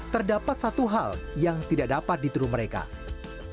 terdapat satu hal yang tidak dapat diturunkan